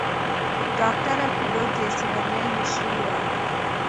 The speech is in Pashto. ډاکتره بېلوت د څېړنې مشرې وه.